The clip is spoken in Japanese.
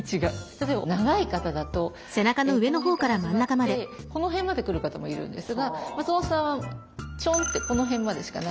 例えば長い方だとこの辺から始まってこの辺まで来る方もいるんですが松本さんはチョンってこの辺までしかないんですね。